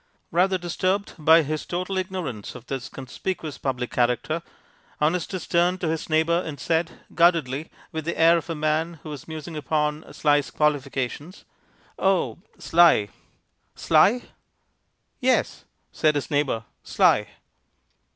Rather disturbed by his total ignorance of this conspicuous public character, Honestus turned to his neighbor and said, guardedly, with the air of a man who was musing upon Sly's qualifications, "Oh, Sly Sly?" "Yes," said his neighbor, "Sly."